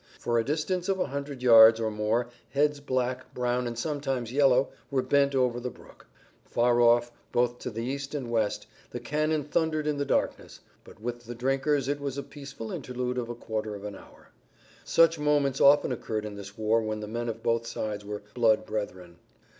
For a distance of a hundred yards or more heads black, brown and sometimes yellow were bent over the brook. Far off, both to east and west, the cannon thundered in the darkness, but with the drinkers it was a peaceful interlude of a quarter of an hour. Such moments often occurred in this war when the men on both sides were blood brethren.